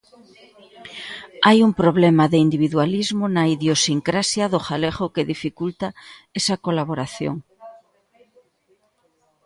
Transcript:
Hai un problema de individualismo na idiosincrasia do galego que dificulta esa colaboración?